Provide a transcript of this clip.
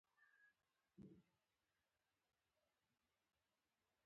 نیاندرتالانو له خپلو معیوبو هډوکو سره د خپلوانو له لوري پاملرنه ترلاسه کړه.